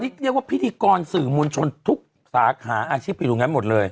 ตอนนี้เรียกว่าพิธีกรสื่อมวลชนทุกสาขาอาชีพหรืออย่างนั้นหมดเลย